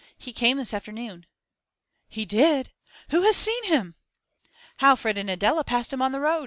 'He came this afternoon.' 'He did! Who has seen him?' 'Alfred and Adela passed him on the road.